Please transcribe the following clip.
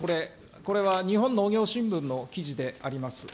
これは日本農業新聞の記事であります。